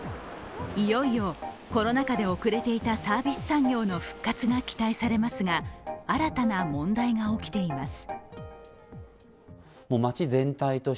いよいよコロナ禍で遅れていたサービス産業の復活が期待されますが新たな問題が起きています。